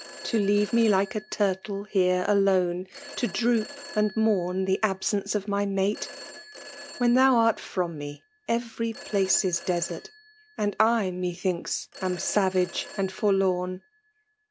To teftve me like a tuxUe here mlone, •• To dmop and mourn the abeence of mj mate ? When thon art from me, every place it deeerty And It methmkty am eaTage and foriotn.